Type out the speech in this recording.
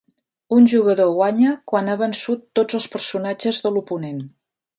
Un jugador guanya quan ha vençut tots els personatges de l'oponent.